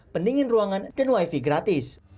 pendingin ruangan dan wifi gratis